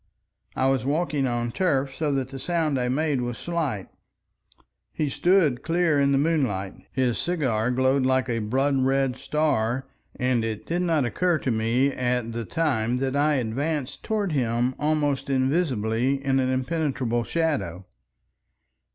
I was walking on turf, so that the sound I made was slight. He stood clear in the moonlight, his cigar glowed like a blood red star, and it did not occur to me at the time that I advanced towards him almost invisibly in an impenetrable shadow.